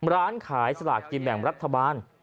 ร้านขายสลากกินแบ่งรัฐบาล